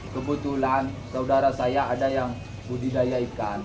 kebetulan saudara saya ada yang budidaya ikan